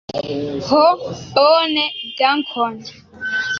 Ho, bone, dankon.